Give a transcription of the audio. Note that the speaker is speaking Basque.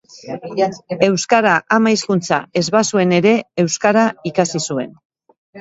Euskara ama hizkuntza ez bazuen ere, euskara ikasi zuen.